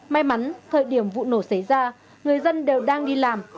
may mắn thời điểm vụ nổ xảy ra người dân đều đang đi làm